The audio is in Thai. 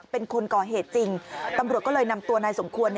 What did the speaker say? เป็นคนก่อเหตุจริงตำรวจก็เลยนำตัวนายสมควร